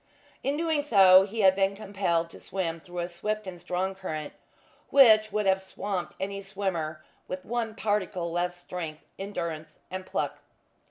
In doing so he had been compelled to swim through a swift and strong current which would have swamped any swimmer with one particle less strength, endurance and pluck.